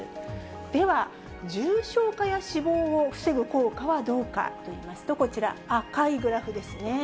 では、重症化や死亡を防ぐ効果はどうかといいますと、こちら、赤いグラフですね。